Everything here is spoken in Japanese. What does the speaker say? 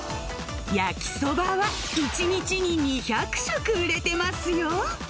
焼きそばは、１日に２００食売れてますよ。